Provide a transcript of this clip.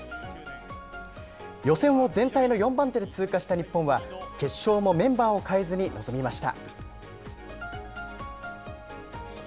予選を全体の４番手で通過した日本は、決勝もメンバーを変えずに臨みました。